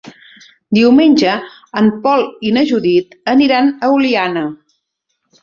Diumenge en Pol i na Judit aniran a Oliana.